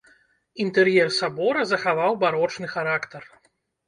Інтэр'ер сабора захаваў барочны характар.